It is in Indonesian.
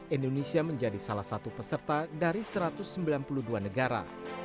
indonesia menjadi salah satu peserta dari satu ratus sembilan puluh dua negara